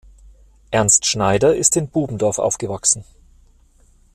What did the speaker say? Ernst Schneider ist in Bubendorf aufgewachsen.